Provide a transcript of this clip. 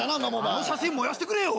あの写真燃やしてくれよ！